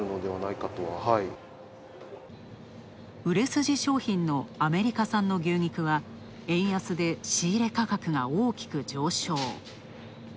売れ筋商品のアメリカ産の牛肉は円安で仕入れ価格が大きく上昇。